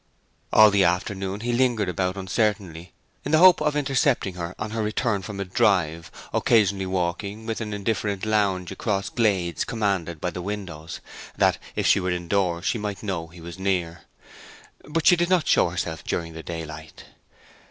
All the afternoon he lingered about uncertainly, in the hope of intercepting her on her return from a drive, occasionally walking with an indifferent lounge across glades commanded by the windows, that if she were in doors she might know he was near. But she did not show herself during the daylight.